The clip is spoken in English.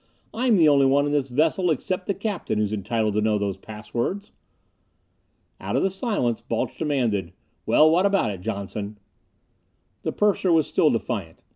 I'm the only one on this vessel except the captain who's entitled to know those pass words!" Out of the silence, Balch demanded, "Well, what about it, Johnson?" The purser was still defiant.